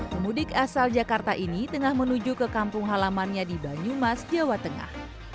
pemudik asal jakarta ini tengah menuju ke kampung halamannya di banyumas jawa tengah